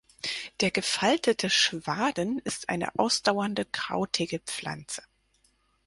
Der Gefaltete Schwaden ist eine ausdauernde krautige Pflanze.